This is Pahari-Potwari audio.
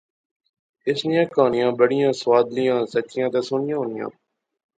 اس نیاں کہانیاں بڑیاں سوادلیاں، سچیاں تہ سوہنیاں ہونیاں